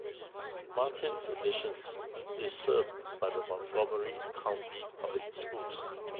Martin's Additions is served by the Montgomery County Public Schools.